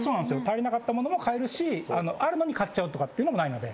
足りなかった物も買えるしあるのに買っちゃうっていうのもないので。